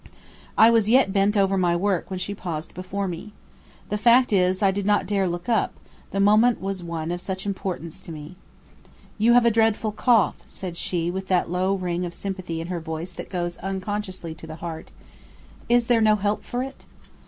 I was yet bent over my work when she paused before me. The fact is I did not dare look up, the moment was one of such importance to me. "You have a dreadful cough," said she with that low ring of sympathy in her voice that goes unconsciously to the heart. "Is there no help for it?"